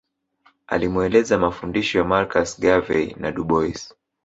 Alimueleza mafundisho ya Marcus Garvey na Du Bois